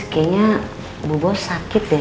kayanya bu bos sakit deh